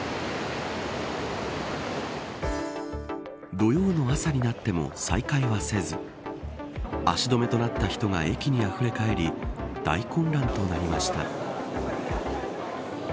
土曜の朝になっても再開はせず足止めとなった人が駅にあふれかえり大混乱となりました。